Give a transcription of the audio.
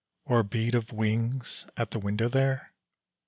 Or a beat of wings at the window there?